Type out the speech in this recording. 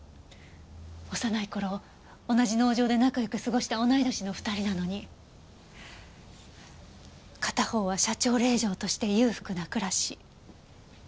幼い頃同じ農場で仲良く過ごした同い年の２人なのに片方は社長令嬢として裕福な暮らし。